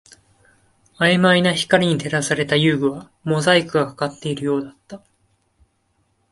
曖昧な光に照らされた遊具はモザイクがかかっているようだった